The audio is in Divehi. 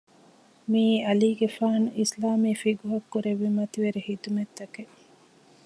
މިއީ ޢަލީގެފާނު އިސްލާމީ ފިޤުހަށް ކުރެއްވި މަތިވެރި ޚިދުމަތްތަކެއް